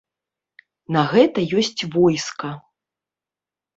На гэта ёсць войска.